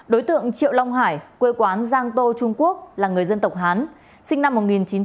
đối tượng triệu long hải quê quán giang tô trung quốc là người dân tộc hán sinh năm một nghìn chín trăm tám mươi